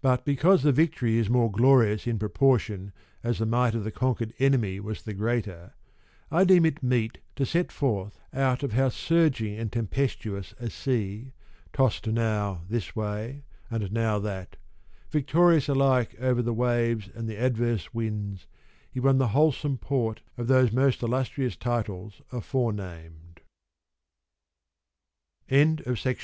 But because the victory is more glorious in proportion as the might of the conquered enemy was the greater, I deem it meet to set forth out of how surging and tempestuous a sea, tossed now this way and now that, victorious alike over the waves and the adverse winds, he won the wholesome port of those most illustrious titles afore named.